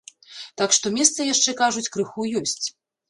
Так што месца яшчэ, кажуць, крыху ёсць.